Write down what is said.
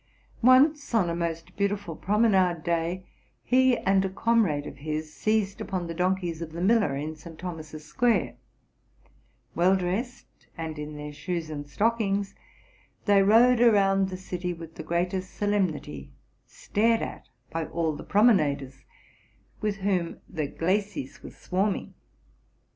Once, on a most beautiful promenade day, he and a comrade of his seized upon the donkeys of the miller in St. Thomas's square: well dressed, and in their shoes and stockings, they rode around the city with the greatest solemnity, stared at by all the promenaders, with whom the glacis was swarming.